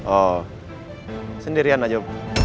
oh sendirian aja